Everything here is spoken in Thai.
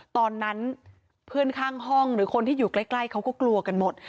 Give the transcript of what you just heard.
ตอนนั้นเพื่อนข้างห้องหรือคนที่อยู่ใกล้เขาก็กลัวกันหมด